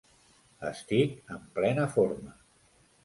Estic en plena forma.